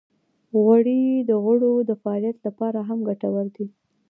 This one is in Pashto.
غوړې د غړو د فعالیت لپاره هم ګټورې دي.